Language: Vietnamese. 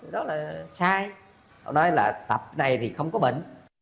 rất là sai nói là tập này thì không có bệnh